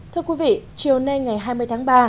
thưa quý vị chiều nay ngày hai mươi tháng ba